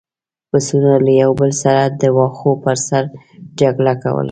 پسونو له یو بل سره د واښو پر سر جګړه کوله.